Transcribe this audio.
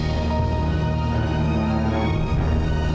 oke kau berjalan